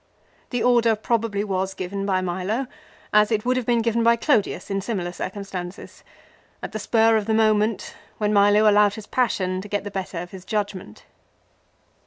The order probably was given by Milo, as it would have been given by Clodius in similar circumstances, at the spur of the moment, when Milo allowed his passion to get the better of his judgment.